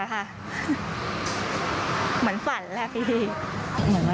เหมือนฝันแหละ